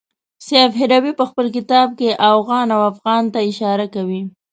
سیف هروي په خپل کتاب کې اوغان او افغان ته اشاره کوي.